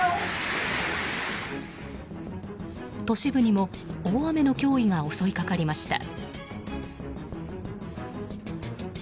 都市部にも大雨の脅威が襲いかかりました。